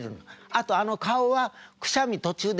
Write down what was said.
あとあの顔はくしゃみ途中で止めるの。